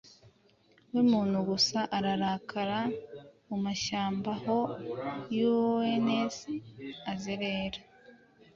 we umuntu gusa ararakara mumashyamba Aho Uons azerera.